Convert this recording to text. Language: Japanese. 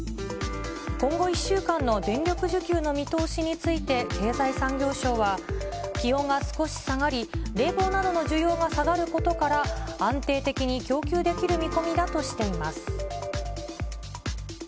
今後１週間の電力需給の見通しについて経済産業省は、気温が少し下がり、冷房などの需要が下がることから、安定的に供給できる見込みだとしています。